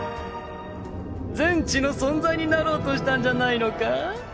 全知の存在になろうとしたんじゃないのか？